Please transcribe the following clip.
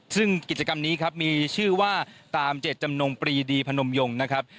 ซึ่งกิจกรรมนี้ครับมีชื่อว่าตามเจ็ดจำนงปรีดีพนมยงนะครับ